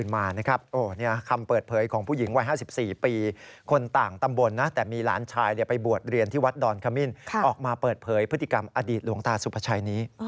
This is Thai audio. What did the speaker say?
มาเปิดเผยพฤติกรรมอดีตหลวงตาสุภาชัยนี้